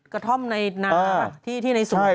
กระท่อมในนาที่ในศูนย์ครับ